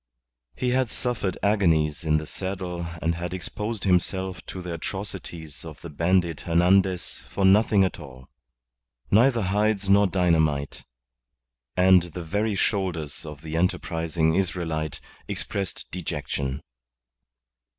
He had suffered agonies in the saddle and had exposed himself to the atrocities of the bandit Hernandez for nothing at all. Neither hides nor dynamite and the very shoulders of the enterprising Israelite expressed dejection.